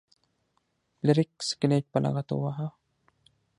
فلیریک سکلیټ په لغته وواهه.